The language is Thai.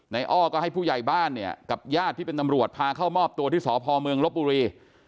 อ้อก็ให้ผู้ใหญ่บ้านเนี่ยกับญาติที่เป็นตำรวจพาเข้ามอบตัวที่สพเมืองลบบุรี